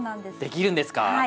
できるんですか？